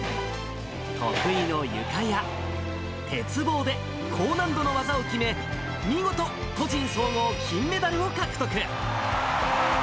得意のゆかや鉄棒で高難度の技を決め、見事、個人総合金メダルを獲得。